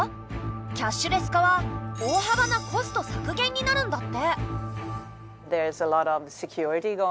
キャッシュレス化は大幅なコスト削減になるんだって。